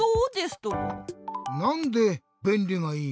なんでべんりがいいの？